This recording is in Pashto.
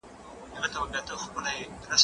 زه هره ورځ د تکړښت لپاره ځم؟